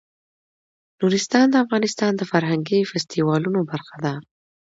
نورستان د افغانستان د فرهنګي فستیوالونو برخه ده.